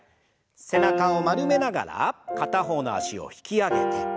背中を丸めながら片方の脚を引き上げて。